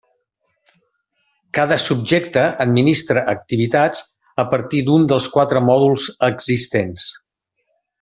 Cada subjecte administra activitats a partir d'un dels quatre mòduls existents.